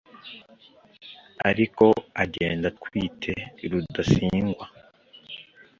ariko agenda atwite Rudasingwa